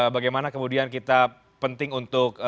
bagaimana kemudian kita penting untuk